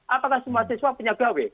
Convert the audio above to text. apakah semua siswa punya gawe